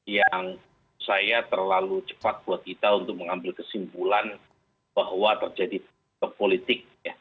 yang saya terlalu cepat buat kita untuk mengambil kesimpulan bahwa terjadi politik